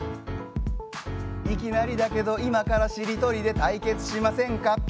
いきなりだけで、今からしりとりで対決をしませんか？